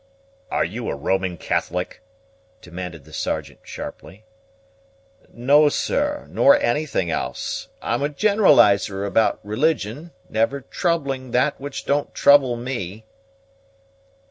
"Are you a Roman Catholic?" demanded the Sergeant sharply. "No, sir, nor anything else. I'm a generalizer about religion, never troubling that which don't trouble me."